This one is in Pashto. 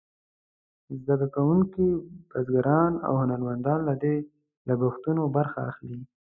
زده کوونکي، بزګران او هنرمندان له دې لګښتونو برخه اخلي.